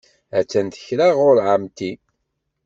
Attan tekra ɣur ɛemti.